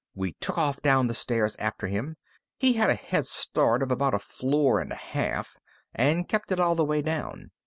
We took off down the stairs after him. He had a head start of about a floor and a half, and kept it all the way down.